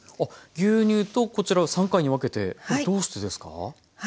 牛乳とこちらを３回に分けてこれどうしてですか？